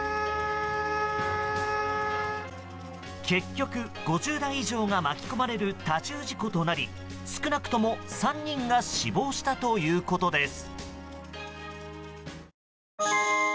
結局、５０台以上が巻き込まれる多重事故となり少なくとも３人が死亡したということです。